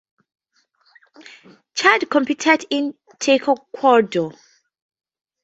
Chad competed in Taekwondo.